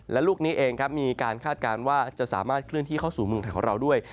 และลูกนี้เองครับมีการคาดการณ์ว่าจะสามารถเคลื่อนที่เข้าสู่เมืองไทยของเราด้วย